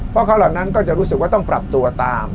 พวกเขาเหล่านั้นก็จะรู้สึกว่าต้องปรับตัวตาม